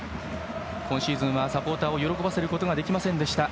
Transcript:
今シーズンはサポーターを喜ばせることはできませんでした。